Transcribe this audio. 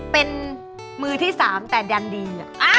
เป็นมือที่๓แต่ดันดี